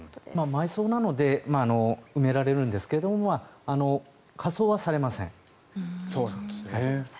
埋葬なので埋められるんですが火葬はされません。